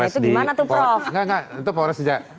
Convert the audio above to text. enggak enggak itu polres aja